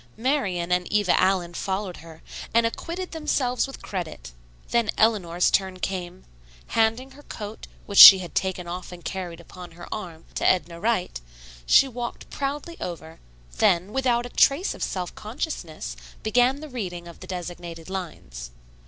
Marian and Eva Allen followed her, and acquitted themselves with credit. Then Eleanor's turn came. Handing her coat, which she had taken off and carried upon her arm, to Edna Wright, she walked proudly over, then, without a trace of self consciousness, began the reading of the designated lines.